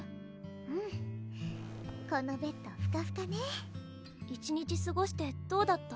うんこのベッドふかふかね一日すごしてどうだった？